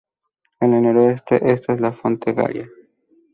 En el noroeste está la Fonte Gaia.